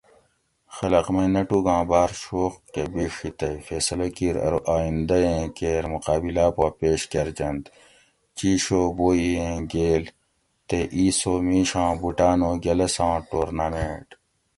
"خلق مئی نٹوگاں باۤر شوق کہ بِیڛی تئی فیصلہ کیر ارو آئندہ ایں کیر مقابلاۤ پا پیش کۤرجنت ""چِیشو بوبوئیں گیل"" تے ""اِیسو میشاں بوٹانو گۤلساں ٹورنامنٹ"""